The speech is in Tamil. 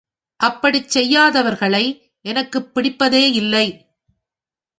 அப்படிச் செய்யாதவர்களை எனக்குப் பிடிப்பதே இல்லை.